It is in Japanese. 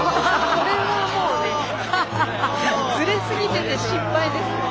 これはもうねずれ過ぎてて失敗ですねこれ。